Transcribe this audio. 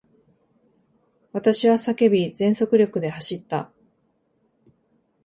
私は叫び、全速力で走った。